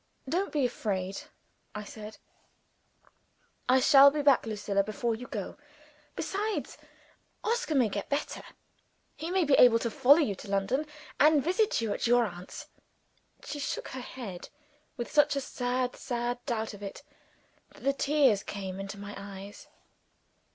"Don't be afraid," I said; "I shall be back, Lucilla, before you go. Besides, Oscar may get better. He may be able to follow you to London, and visit you at your aunt's." She shook her head, with such a sad, sad doubt of it, that the tears came into my eyes.